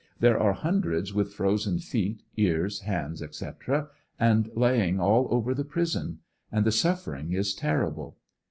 There are hun dreds witli frozen feet, ears, hands &c., and laying all over the prison; and the suffering is terrible.